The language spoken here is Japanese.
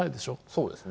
そうですね。